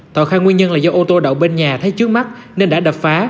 tàu khai nguyên nhân là do ô tô đậu bên nhà thấy trước mắt nên đã đập phá